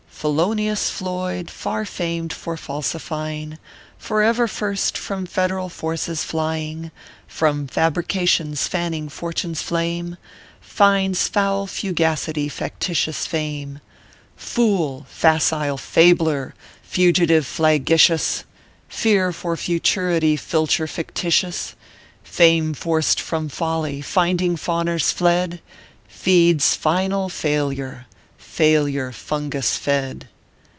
Felonious Floyd, far famed for falsifying, Forever first from Federal forces flying, From fabrications fanning Fortune s flame, Finds foul Fugacity factitious Fame. ORPHEUS C. KERU PAPERS. 253 Fool 1 facile Fabler 1 Fugitive flagitious ! Fear for Futurity, Filcher fictitious ! Fame forced from Folly, finding fawners fled, Feeds final Failure failure fungus fed.